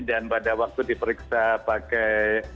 dan pada waktu diperiksa pakai